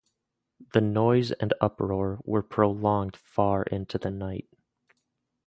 The noise and uproar were prolonged far into the night.